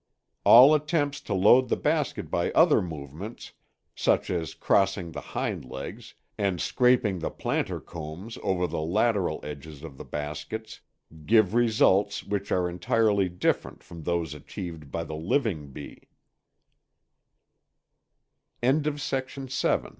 All attempts to load the baskets by other movements, such as crossing the hind legs and scraping the plantar combs over the lateral edges of the baskets, give results which are entirely different from those achieved by the li